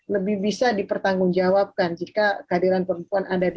lebih bisa dipertanggungjawabkan jika kehadiran perempuan ada di